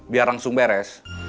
biar langsung beres